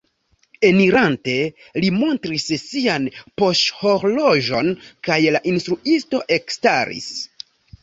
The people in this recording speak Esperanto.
Enirante li montris sian poŝhorloĝon kaj la instruisto ekstaris.